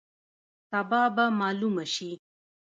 سبا به معلومه شي.